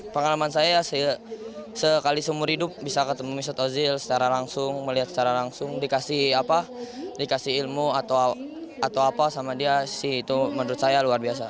pengalaman saya sekali seumur hidup bisa ketemu misat ozil secara langsung melihat secara langsung dikasih apa dikasih ilmu atau apa sama dia si itu menurut saya luar biasa